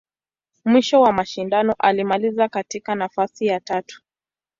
Mwisho wa mashindano, alimaliza katika nafasi ya tatu.